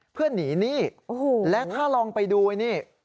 เพื่อหนีหนี้และถ้าลองไปดูไอ้นี่